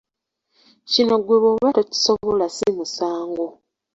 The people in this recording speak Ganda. Kino ggwe bwoba tokisobla si musango!